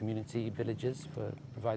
untuk memberi air bersih